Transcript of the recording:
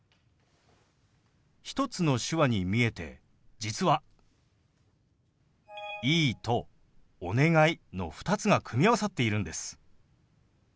１つの手話に見えて実は「いい」と「お願い」の２つが組み合わさっているんです。